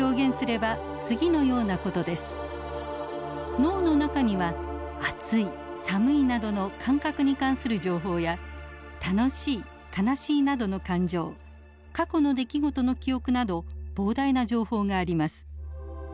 脳の中には熱い寒いなどの感覚に関する情報や楽しい悲しいなどの感情過去の出来事の記憶など膨大な情報があります。